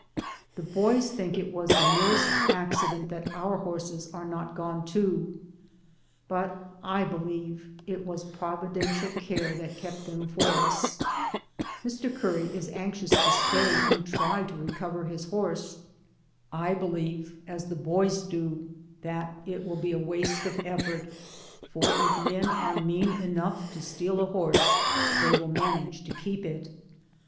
The bovs think it was the merest accident 214 DAYS ON THE ROAD. that our horses are not gone too, but I be lieve it was providential care that kept them for us. Mr. Curry is anxious to stay and try to recover his horse. I believe, as the boys do, that it will be a waste of effort, for if men are mean enough to steal a horse they will manage to keep it.